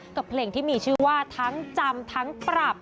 กับเพลงที่มีชื่อว่าทั้งจำทั้งปรับ